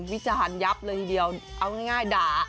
วิจารณ์ยับเลยทีเดียวเอาง่ายด่า